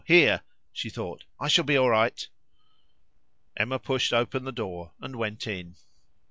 here," she thought, "I shall be all right." Emma pushed open the door and went in.